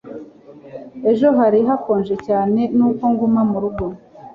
Ejo hari hakonje cyane, nuko nguma murugo.